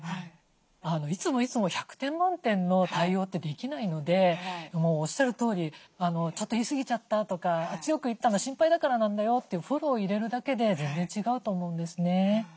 いつもいつも１００点満点の対応ってできないのでもうおっしゃるとおり「ちょっと言い過ぎちゃった」とか「強く言ったのは心配だからなんだよ」ってフォロー入れるだけで全然違うと思うんですね。